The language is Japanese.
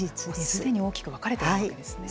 すでに大きく分かれているわけですね。